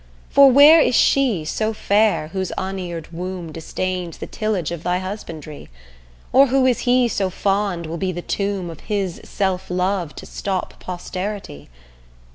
For where is she so fair whose unear'd womb Disdains the tillage of thy husbandry? Or who is he so fond will be the tomb, Of his self love to stop posterity?